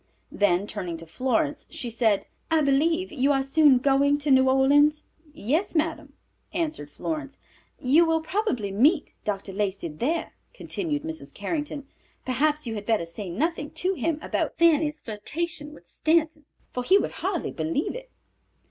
Then turning to Florence, she said, "I believe you are soon going to New Orleans?" "Yes, madam," answered Florence. "You will probably meet Dr. Lacey there," continued Mrs. Carrington. "Perhaps you had better say nothing to him about Fanny's flirtation with Stanton, for he would hardly believe it."